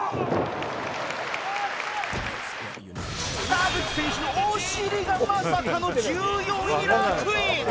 田口選手のお尻がまさかの１４位にランクイン